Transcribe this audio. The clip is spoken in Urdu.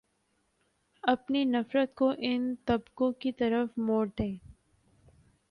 اپنی نفرت کو ان طبقوں کی طرف موڑ دیں